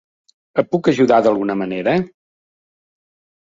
Et puc ajudar d'alguna manera?